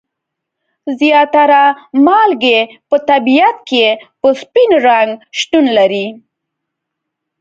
زیاتره مالګې په طبیعت کې په سپین رنګ شتون لري.